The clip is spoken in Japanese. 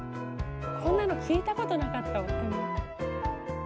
こんなの聞いたことなかった夫に。